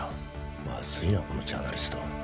まずいなこのジャーナリスト。